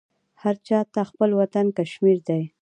هر چا ته خپل وطن کشمیر دی